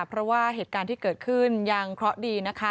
เพราะว่าเหตุการณ์ที่เกิดขึ้นยังเคราะห์ดีนะคะ